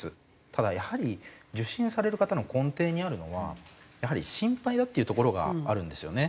ただやはり受診される方の根底にあるのはやはり心配だっていうところがあるんですよね。